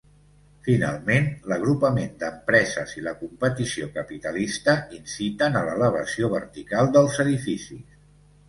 Finalment, l'agrupament d'empreses i la competició capitalista inciten a l'elevació vertical dels edificis.